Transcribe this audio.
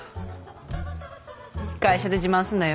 会社で自慢すんなよ！